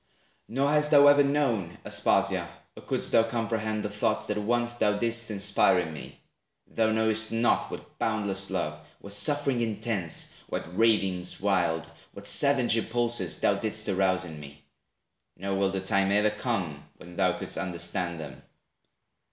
Nor hast thou ever known, Aspasia, Or couldst thou comprehend the thoughts that once Thou didst inspire in me. Thou knowest not What boundless love, what sufferings intense, What ravings wild, what savage impulses, Thou didst arouse in me; nor will the time E'er come when thou could'st understand them.